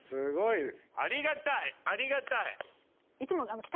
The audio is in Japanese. ありがたいありがたい！